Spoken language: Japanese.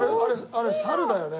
あれサルだよね？